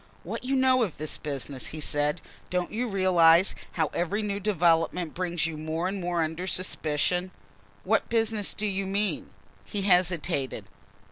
"What you know of this business," he said. "Don't you realise how every new development brings you more and more under suspicion?" "What business do you mean?" He hesitated.